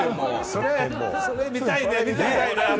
それも見たいね。